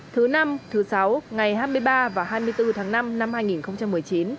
thứ năm thứ sáu ngày hai mươi ba và hai mươi bốn tháng năm năm hai nghìn một mươi chín